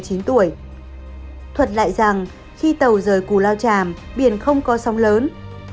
thuật lại rằng khi tàu rời cù lao tràm biển không có sóng lớn